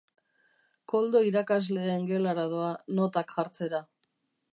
Koldo irakasleen gelara doa, notak jartzera.